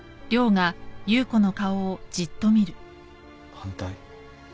反対？